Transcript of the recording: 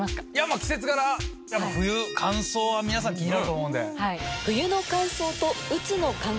季節柄冬乾燥は皆さん気になると思う。